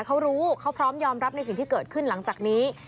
เขารู้เขาพร้อมยอมรับในสิ่งที่เกิดขึ้นหลังจากนี้